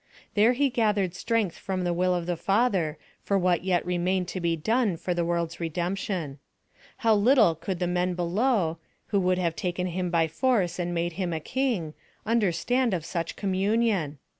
There he gathered strength from the will of the Father for what yet remained to be done for the world's redemption. How little could the men below, who would have taken him by force and made him a king, understand of such communion!